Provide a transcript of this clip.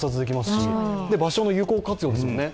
し場所の有効活用ですもんね。